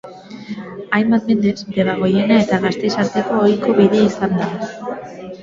Hainbat mendez, Debagoiena eta Gasteiz arteko ohiko bidea izan da.